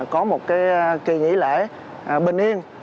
có một kỳ nghỉ lễ bình yên